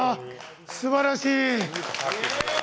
すばらしい！